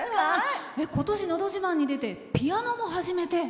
今年、「のど自慢」に出てピアノも始めて？